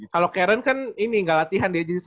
kalau karen kan ini nggak latihan dia